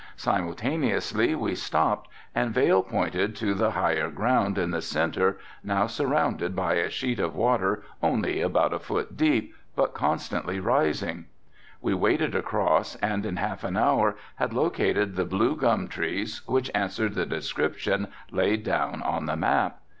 Simultaneously we stopped and Vail pointed to the higher ground in the centre, now surrounded by a sheet of water only about a foot deep, but constantly rising. We waded across and in half an hour had located the blue gum trees which answered the description laid down on the map.